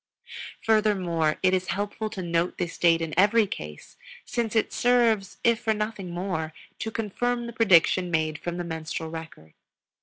Furthermore, it is helpful to note this date in every case, since it serves, if for nothing more, to confirm the prediction made from the menstrual record.